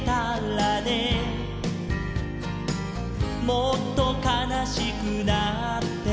「もっとかなしくなって」